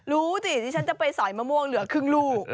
รู้สิที่ฉันจะไปสอยมะม่วงเหลือครึ่งลูก